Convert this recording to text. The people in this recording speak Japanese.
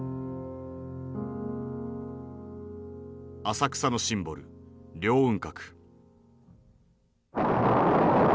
浅草のシンボル凌雲閣。